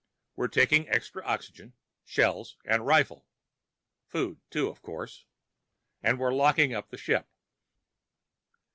We're taking extra oxygen, shells, and rifles. Food, too, of course. And we're locking up the ship.